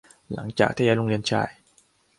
หลังจากที่ย้ายโรงเรียนชาย